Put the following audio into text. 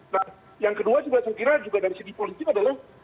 nah yang kedua juga saya kira juga dari segi politik adalah